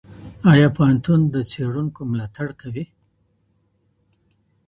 ایا پوهنتون د څېړونکو ملاتړ کوي؟